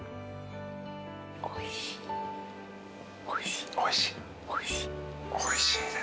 おいしい。